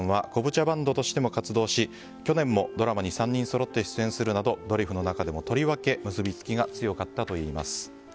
茶バンドとしても活動し去年もドラマに３人そろって出演するなどドリフの中でもとりわけ結びつきが強かったといいます。